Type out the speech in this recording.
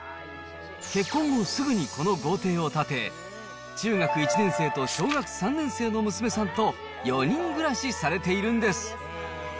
結婚後、すぐにこの豪邸を建て、中学１年生と小学３年生の娘さんと、４人暮らしされてるんです。